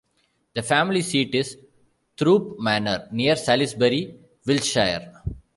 The family seat is Throope Manor, near Salisbury, Wiltshire.